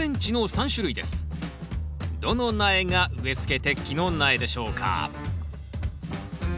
どの苗が植えつけ適期の苗でしょうか？